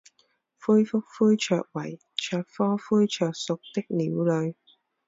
灰腹灰雀为雀科灰雀属的鸟类。